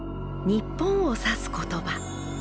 日本を指す言葉。